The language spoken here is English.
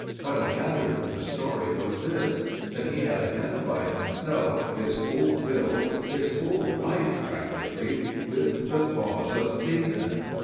What I gathered from the story was this;––that he had identified himself, his whole will, his whole life practically, with the cause of Satan.